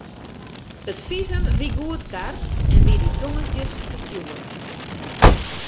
It fisum wie goedkard en wie dy tongersdeis ferstjoerd.